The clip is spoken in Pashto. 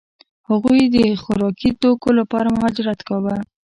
هغوی د خوراکي توکو لپاره مهاجرت کاوه.